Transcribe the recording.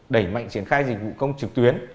đẩy mạnh triển khai dịch vụ công trực tuyến